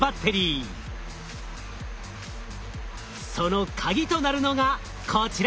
そのカギとなるのがこちら！